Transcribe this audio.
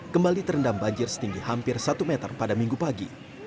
kembali terendam banjir setinggi hampir satu meter pada minggu pagi